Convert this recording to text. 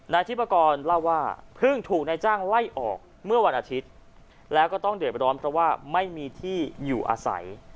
ทิปกรเล่าว่าเพิ่งถูกนายจ้างไล่ออกเมื่อวันอาทิตย์แล้วก็ต้องเดือดร้อนเพราะว่าไม่มีที่อยู่อาศัย